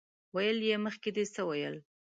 ويې ويل: مخکې دې څه ويل؟